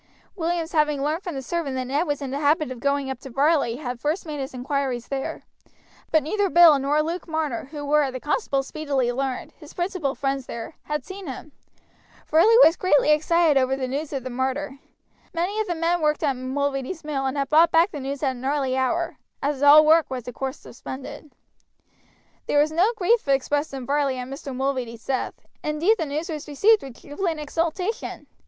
Williams having learned from the servant that Ned was in the habit of going up to Varley had first made his inquiries there; but neither Bill nor Luke Marner, who were, the constable speedily learned, his principal friends there, had seen him. Varley was greatly excited over the news of the murder. Many of the men worked at Mulready's mill, and had brought back the news at an early hour, as all work was of course suspended. There was no grief expressed in Varley at Mr. Mulready's death, indeed the news was received with jubilant exultation.